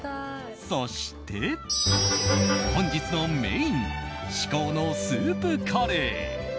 そして、本日のメイン至高のスープカレー。